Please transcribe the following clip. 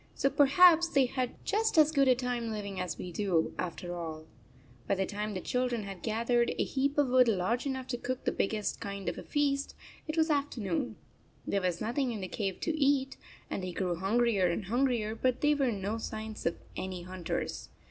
So perhaps they had just as good a time living as we do, after all. By the time the children had gathered a heap of wood large enough to cook the big gest kind of a feast, it was afternoon. There was nothing in the cave to eat, and they grew hungrier and hungrier, but there were no signs of any hunters.